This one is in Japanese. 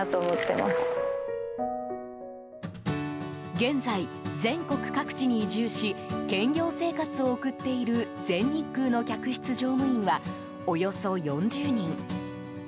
現在、全国各地に移住し兼業生活を送っている全日空の客室乗務員はおよそ４０人。